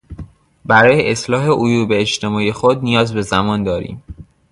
برای اصلاح عیوب اجتماعی خود نیاز به زمان داریم.